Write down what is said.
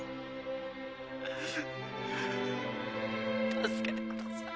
「助けてください。